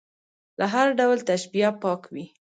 له هر ډول تشبیه پاک وي.